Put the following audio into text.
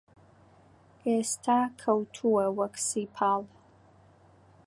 ئێستا کەوتووە وەک سیپاڵ